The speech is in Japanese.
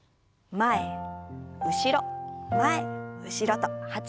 前後ろ前後ろ。